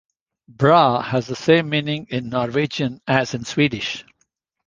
"Bra" has the same meaning in Norwegian as in Swedish.